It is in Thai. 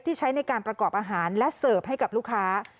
ใช้ในการประกอบอาหารและเสิร์ฟให้กับลูกค้า